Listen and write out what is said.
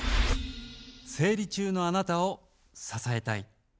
「生理中のあなたを支えたい」。